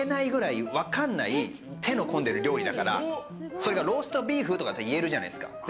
それがローストビーフとかだったら言えるじゃないですか。